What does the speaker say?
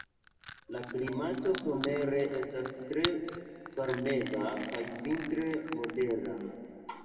La klimato somere estas tre varmega kaj vintre modera.